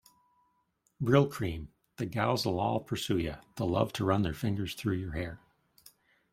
Brylcreem-The gals'll all pursue ya; they'll love to run their fingers through your hair!